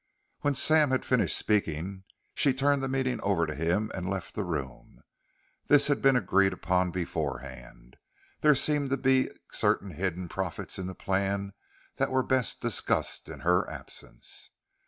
When Sam had finished speaking, she turned the meeting over to him and left the room. This had been agreed on beforehand there seemed to be certain hidden profits in the plan that were best discussed in her absence.